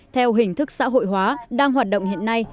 theo hình thức xã hội hóa đang hoạt động hiện nay